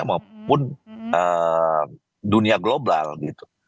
maupun dunia global gitu